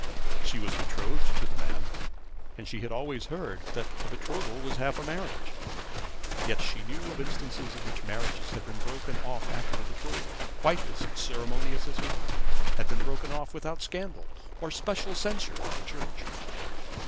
She was betrothed to the man, and she had always heard that a betrothal was half a marriage. And yet she knew of instances in which marriages had been broken off after betrothal quite as ceremonious as her own had been broken off without scandal or special censure from the Church.